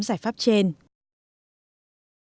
các giải pháp chính sách cũng cần hướng và hỗ trợ nhóm giải pháp trên